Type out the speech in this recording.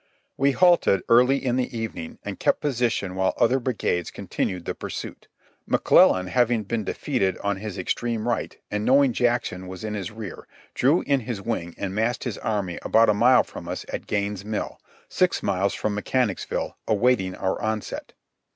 We halted early in the evening, and kept position while other brigades continued the pursuit. McClellan having been defeated on his extreme right, and knowing Jackson was in his rear, drew in his wing and massed his army about a mile from us at Gaines' Mill, six miles from Mechanicsville, awaiting our onset.